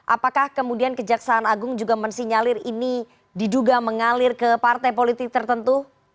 apakah kemudian kejaksaan agung juga mensinyalir ini diduga mengalir ke partai politik tertentu